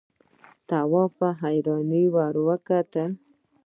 تواب په حيرانۍ ورته کتل…